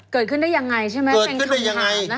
เกิดขึ้นได้ยังไงใช่ไหมเป็นคำถามนะคะ